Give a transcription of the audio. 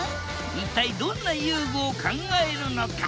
一体どんな遊具を考えるのか？